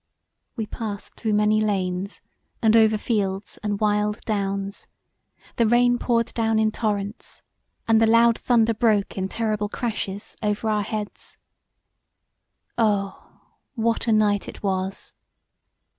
We passed through many lanes and over fields and wild downs; the rain poured down in torrents; and the loud thunder broke in terrible crashes over our heads. Oh! What a night it was!